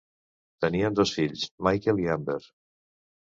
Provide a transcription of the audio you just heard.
Tenien dos fills, Michael i Amber.